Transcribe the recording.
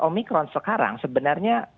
omikron sekarang sebenarnya